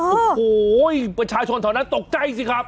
โอ้โหประชาชนแถวนั้นตกใจสิครับ